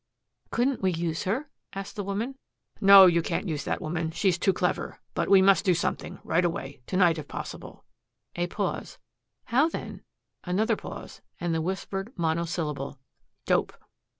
"Couldn't we use her?" asked the woman. "No, you can't use that woman. She's too clever. But we must do something, right away to night if possible." A pause. "How, then?" Another pause and the whispered monosyllable, "Dope!"